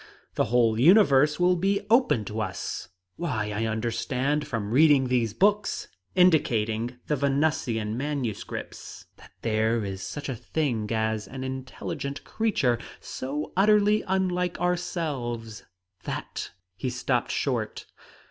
The whole universe will be open to us! Why, I understand from reading these books" indicating the Venusian manuscripts "that there is such a thing as an intelligent creature, so utterly unlike ourselves that " He stopped short.